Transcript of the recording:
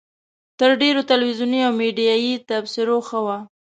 تر ډېرو تلویزیوني او میډیایي تبصرو ښه وه.